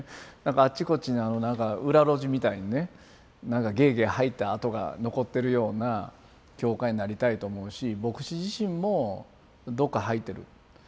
あっちこっちになんか裏路地みたいにねなんかゲーゲー吐いた跡が残ってるような教会になりたいと思うし牧師自身もどっか吐いてる。